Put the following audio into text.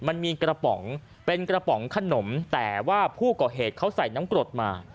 มันมีกระป๋องเป็นกระป๋องขนมแต่ว่าผู้ก่อเหตุเขาใส่น้ำกรดมา